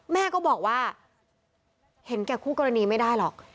แม่ก็บอกว่าเห็นแก่คู่กรณีไม่ได้หรอก